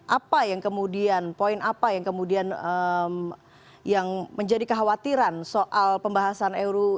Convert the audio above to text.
apa yang kemudian poin apa yang kemudian yang menjadi kekhawatiran soal pembahasan ruu